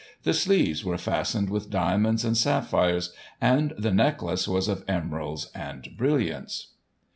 The sleeves were fastened with diamonds and sapphires, and the necklace was of emeralds and brilliants.